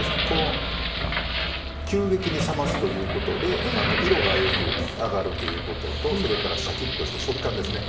急激に冷ますということで色がよくあがるということとそれからシャキッとした食感ですね。